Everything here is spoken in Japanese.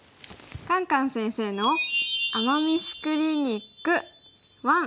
「カンカン先生の“アマ・ミス”クリニック１」。